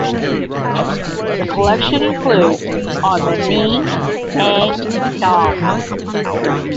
The collection includes "On the Ning Nang Nong".